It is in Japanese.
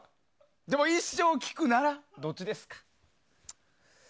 でも一生聴くならどっちですか？